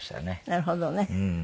なるほどね。